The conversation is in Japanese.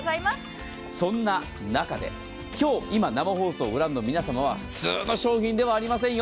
そんな中で今日、今生放送をご覧の皆様は普通の商品ではありませんよ。